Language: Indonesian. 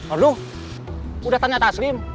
aduh udah tanya taslim